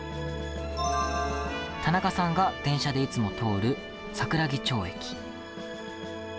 田中さんが電車でいつも通る桜木町駅。